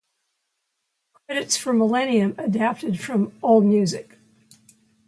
Credits for "Millennium" adapted from AllMusic.